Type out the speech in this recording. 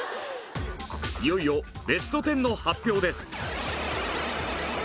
いよいよベスト１０の発表です！